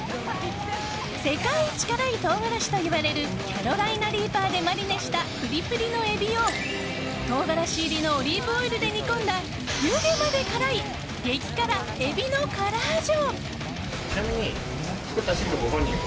世界一辛い唐辛子といわれるキャロライナリーパーでマリネしたプリプリのエビを唐辛子入りのオリーブオイルで煮込んだ湯気まで辛い激辛海老の辛ジョ。